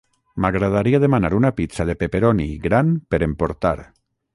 M'agradaria demanar una pizza de pepperoni gran per emportar.